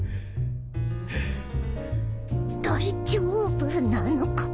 大丈夫なのか？